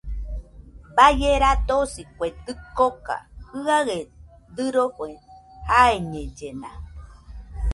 Baie radosi kue dɨkoka, jɨaɨe dɨrofe jaiñellena